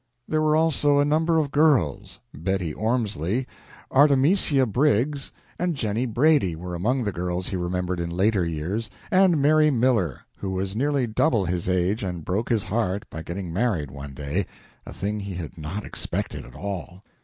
There were also a number of girls. Bettie Ormsley, Artemisia Briggs, and Jennie Brady were among the girls he remembered in later years, and Mary Miller, who was nearly double his age and broke his heart by getting married one day, a thing he had not expected at all.